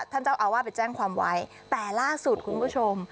ท่านเจ้าอาวาสไปแจ้งความไว้แต่ล่าสุดคุณผู้ชม